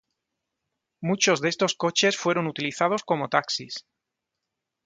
Muchos de estos coches fueron utilizados como taxis.